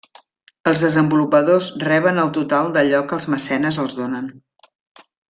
Els desenvolupadors reben el total d'allò que els mecenes els donen.